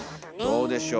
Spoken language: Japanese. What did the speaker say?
どうでしょう？